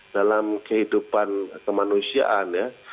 dalam kehidupan kemanusiaan ya